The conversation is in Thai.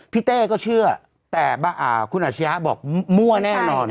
เต้ก็เชื่อแต่คุณอาชญะบอกมั่วแน่นอน